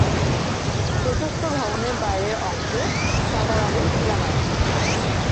প্রশস্ত ভবনের বাইরের অংশে সাদা রঙের খিলান আছে।